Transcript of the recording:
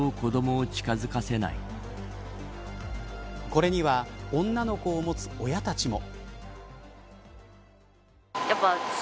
これには女の子を持つ親たちも。